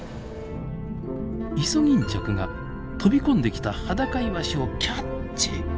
イソギンチャクが飛び込んできたハダカイワシをキャッチ！